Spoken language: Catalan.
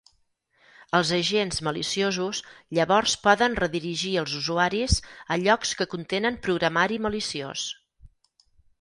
Els agents maliciosos llavors poden redirigir els usuaris a llocs que contenen programari maliciós.